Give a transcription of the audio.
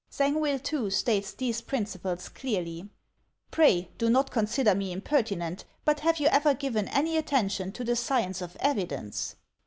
'*' Zangwill, too, states these principles clearly: " Pray do not consider me impertinent, but have you ever given any attention to the science of evidence?"